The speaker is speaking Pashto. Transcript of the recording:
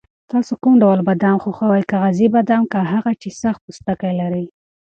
تاسو کوم ډول بادام خوښوئ، کاغذي بادام که هغه چې سخت پوستکی لري؟